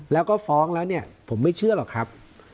แล้วก็ฟ้องแล้วเนี่ยผมไม่เชื่อหรอกครับ